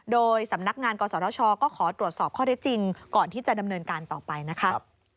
โดยสำนักงานกศชก็ขอตรวจสอบข้อได้จริงก่อนที่จะดำเนินการต่อไปนะคะ